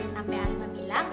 sampai asma bilang buka